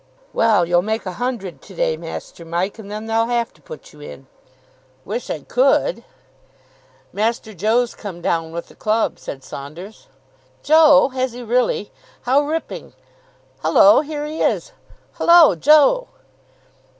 "Well, you'll make a hundred to day, Master Mike, and then they'll have to put you in." "Wish I could!" "Master Joe's come down with the Club," said Saunders. "Joe! Has he really? How ripping! Hullo, here he is. Hullo, Joe?"